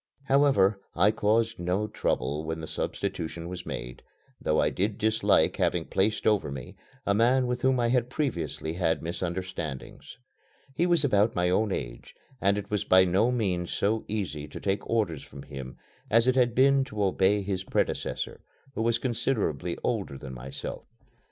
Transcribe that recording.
However, I caused no trouble when the substitution was made, though I did dislike having placed over me a man with whom I had previously had misunderstandings. He was about my own age and it was by no means so easy to take orders from him as it had been to obey his predecessor, who was considerably older than myself.